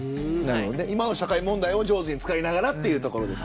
今の社会問題を上手に使いながらというところ。